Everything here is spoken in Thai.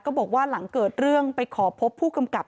บอกว่าหลังเกิดเรื่องไปขอพบผู้กำกับ